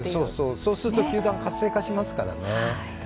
そうすると球団、活性化しますからね。